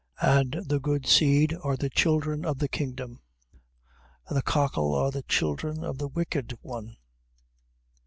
And the good seed are the children of the kingdom. And the cockle are the children of the wicked one.